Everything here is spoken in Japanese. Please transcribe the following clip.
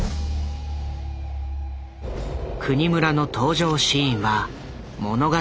國村の登場シーンは物語